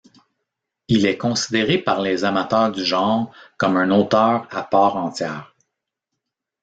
Il est considéré par les amateurs du genre comme un auteur à part entière.